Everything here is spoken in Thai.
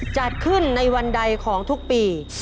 จัดขึ้นในวันใดของทุกปี